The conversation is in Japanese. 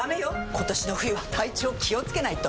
今年の冬は体調気をつけないと！